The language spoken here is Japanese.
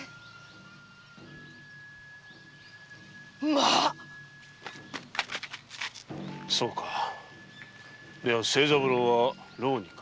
まぁそうかでは清三郎は牢にか。